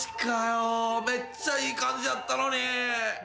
めっちゃいい感じやったのに。